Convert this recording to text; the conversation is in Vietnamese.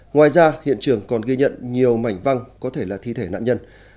ngoài ra hiện trường còn ghi nhận nhiều mảnh văng có thể là thi thể nạn nhân